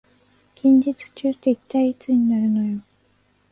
近日中って一体いつになるのよ